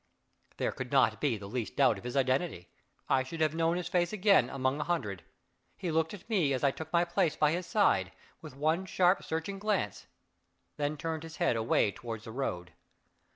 There could not be the least doubt of his identity; I should have known his face again among a hundred. He looked at me as I took my place by his side, with one sharp searching glance then turned his head away toward the road.